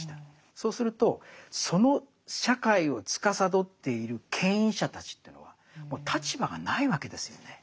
そうするとその社会をつかさどっている権威者たちというのはもう立場がないわけですよね。